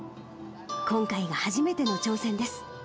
今回が初めての挑戦です。